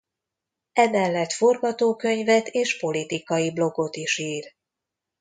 Emellett forgatókönyvet és politikai blogot is ír.